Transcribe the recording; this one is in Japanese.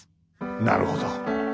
なるほど。